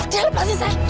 udah lepaskan saya